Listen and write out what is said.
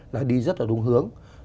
đã đi rất là đúng hướng